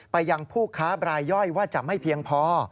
ไปยังผู้ค้าบรายย่อยว่าจะไม่เพียงพอ